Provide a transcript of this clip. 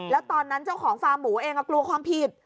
แล้วตอนนั้นเจ้าของฟาร์มหมูเองกลัวความผิด